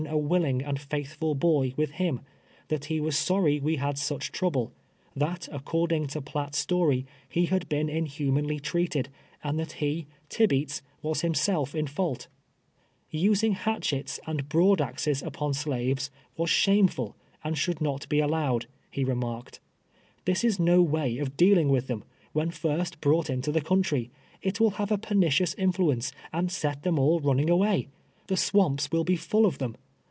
1 Avilling and faithful boy Avith him ; that he Avas sor ry Ave had such trouble ; that, according to Piatt's story, he had been inhumanly treated, and that he, Til)eats, Avas himself in fault, losing hatchets and broad axes upon slaves Avas shameful, and should nctt be allowed, he renuxrked. ''This is no Avay of dealing Avith them, Avhen first brought into the country. It Avill have a pernicious influence, and set them all run ning aAvay. The swamps Avill be full of them.